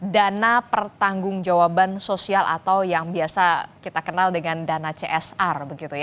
dana pertanggung jawaban sosial atau yang biasa kita kenal dengan dana csr